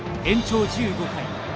延長１５回。